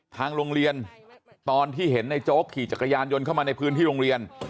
ทางโรงเรียนตอนที่เห็นในโจ๊กขี่จักรยานยนต์เข้ามาในพื้นที่โรงเรียน